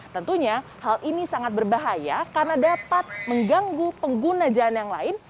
tentunya hal ini sangat berbahaya karena dapat mengganggu pengguna jalan yang lain